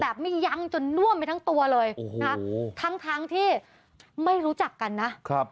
แบบมียั้งจนน่วมไปทั้งตัวเลยนะทั้งที่ไม่รู้จักกันนะ